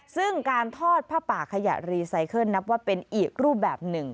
ซึ่งการทอดผ้าป่าขยะรีไซเคิลนับว่าเป็นอีกรูปแบบหนึ่ง